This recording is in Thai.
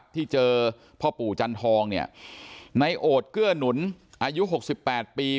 ที่เจอพ่อปู่จันทองในโอดเกื้อหนุนอายุ๖๘ปี